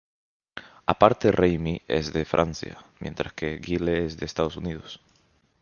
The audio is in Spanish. Aparte Remy es de Francia mientras que Guile es de Estados Unidos.